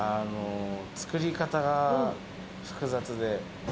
作り方が複雑で。